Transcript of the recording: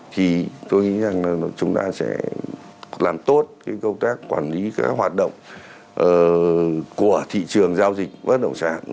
thì tôi nghĩ rằng là chúng ta sẽ làm tốt cái công tác quản lý các hoạt động của thị trường giao dịch bất động sản